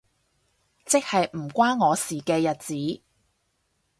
即係唔關我事嘅日子